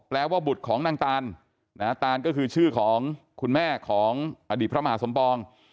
ว่าบุตรของนางตานตานก็คือชื่อของคุณแม่ของอดีตพระมหาสมปอง